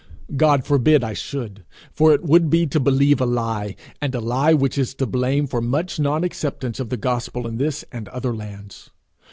God forbid I should, for it would be to believe a lie, and a lie which is to blame for much non acceptance of the gospel in this and other lands.